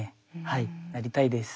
はいなりたいです。